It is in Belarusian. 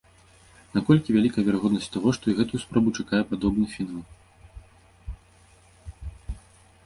Наколькі вялікая верагоднасць таго, што і гэтую спробу чакае падобны фінал?